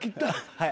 はい。